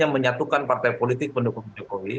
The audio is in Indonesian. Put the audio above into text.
yang menyatukan partai politik pendukung jokowi